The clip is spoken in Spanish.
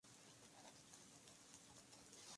Principalmente conocido por su ropa de hombre.